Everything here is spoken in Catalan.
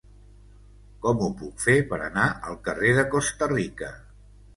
Com ho puc fer per anar al carrer de Costa Rica?